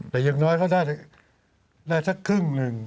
แต่อย่างน้อยเขาได้สักครึ่งหนึ่ง